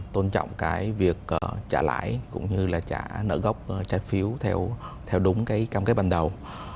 tôn trọng cái việc trả lãi cũng như là trả nợ gốc trái phiếu theo đúng cái cam kết ban đầu